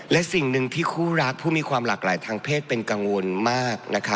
และสิ่งหนึ่งที่คู่รักผู้มีความหลากหลายทางเพศเป็นกังวลมากนะคะ